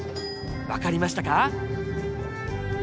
分かりましたか？